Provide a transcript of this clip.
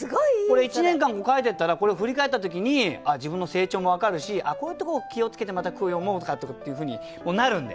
これ１年間も書いてったらこれ振り返った時に自分の成長も分かるしこういうところ気を付けてまた句を詠もうとかっていうふうになるんで。